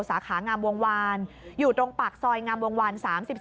สาขางามวงวานอยู่ตรงปากซอยงามวงวาน๓๒